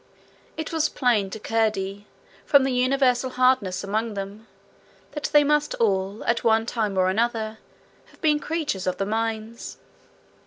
It was plain to Curdie, from the universal hardness among them, that they must all, at one time or another, have been creatures of the mines.